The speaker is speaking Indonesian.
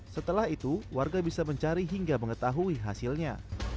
setelah itu warga bisa mencari hingga mengetahui hasilnya